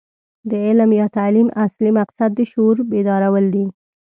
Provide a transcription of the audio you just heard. د علم یا تعلیم اصلي مقصد د شعور بیدارول دي.